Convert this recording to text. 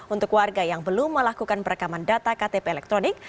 untuk warga yang belum melakukan perekaman data ktp elektronik